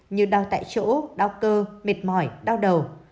như đau tại chỗ đau cơ mệt mỏi đau đầu